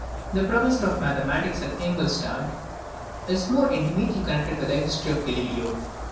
The claim of Scheiner, professor of mathematics at Ingolstadt, is more intimately connected with the history of Galileo.